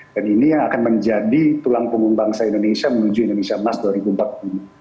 dan ini yang akan menjadi tulang pengumum bangsa indonesia menuju indonesia emas dua ribu dua puluh empat ini